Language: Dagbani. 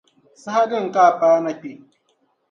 Saha dini ka a paana kpe?